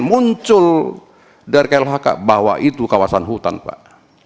muncul dari klhk bahwa itu kawasan hutan pak